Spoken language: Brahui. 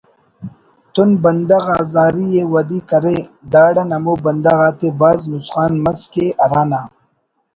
تون بندغ آزاری ءِ ودی کرے داڑان ہمو بندغ آتے بھاز نسخان مس کہ ہرانا